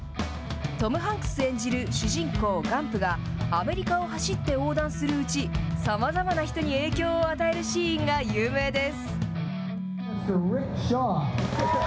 トム・ハンクス演じる主人公、ガンプがアメリカを走って横断するうち、さまざまな人に影響を与えるシーンが有名です。